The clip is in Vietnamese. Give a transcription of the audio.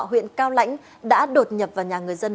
huyện cao lãnh đã đột nhập vào nhà người dân